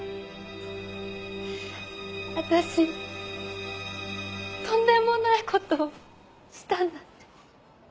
私とんでもない事をしたんだって。